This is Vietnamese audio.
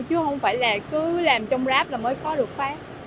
chứ không phải là cứ làm trong ráp là mới có được phát